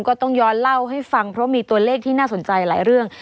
ก็ต้องย้อนเล่าให้ฟังเพราะมีตัวเลขที่น่าสนใจหลายเรื่อง